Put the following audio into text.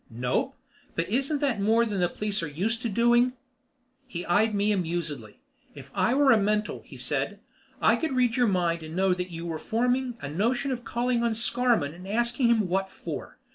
"Nope. But isn't that more than the police are used to doing?" He eyed me amusedly. "If I were a mental," he said, "I could read your mind and know that you were forming the notion of calling on Scarmann and asking him what for.